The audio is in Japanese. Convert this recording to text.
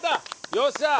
よっしゃー！